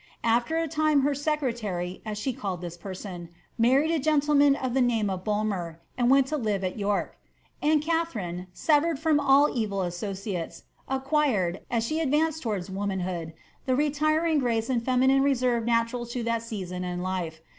After a time her secretary,' as she call^ this person, married a gentleman of the name of Bulmer, and went to live at York ; and Katharine, severed from all evil associates, acquired, as she advanced towards womanhood, the retiring grace and feminine leKfve natural to that season in life.